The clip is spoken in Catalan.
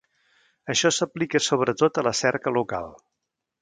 Això s'aplica sobretot a la cerca local.